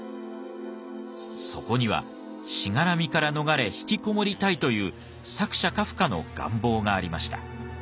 そこにはしがらみから逃れ引きこもりたいという作者カフカの願望がありました。